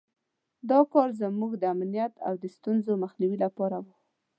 دا کار زموږ د امنیت او د ستونزو مخنیوي لپاره وو.